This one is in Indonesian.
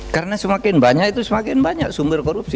karena semakin banyak itu semakin banyak sumber korupsi